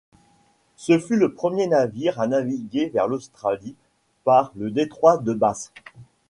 Ce fut le premier navire à naviguer vers l'Australie par le détroit de Bass.